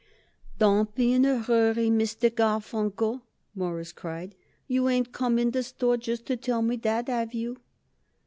"Don't be in a hurry, Mr. Garfunkel," Morris cried. "You ain't come in the store just to tell me that, have you?"